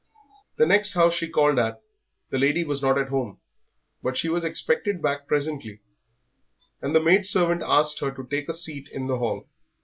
The next house she called at the lady was not at home, but she was expected back presently, and the maid servant asked her to take a seat in the hall.